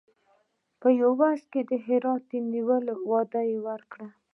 په عوض کې د هرات نیولو وعده ورکړي.